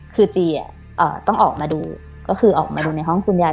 คือจีต้องออกมาดูก็คือออกมาดูในห้องคุณยาย